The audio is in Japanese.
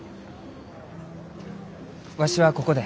わしはここで。